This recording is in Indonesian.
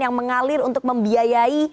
yang mengalir untuk membiayai